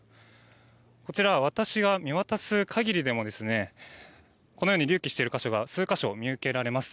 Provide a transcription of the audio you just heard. こちら、私が見渡す限りでもこのように隆起してる箇所が数か所、見受けられます。